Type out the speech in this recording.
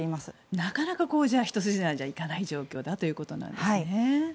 なかなか一筋縄ではいかな状況だということですね。